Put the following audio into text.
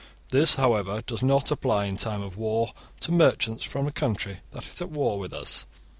This, however, does not apply in time of war to merchants from a country that is at war with us.